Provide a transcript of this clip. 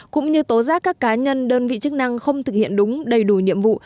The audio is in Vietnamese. cũng như tố giác các cá nhân đơn vị chức năng không thực hiện đúng đầy đủ nhiệm vụ